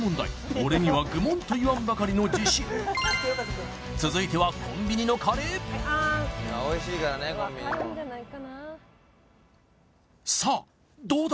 俺には愚問と言わんばかりの自信続いてはコンビニのカレーはいあーんさあどうだ？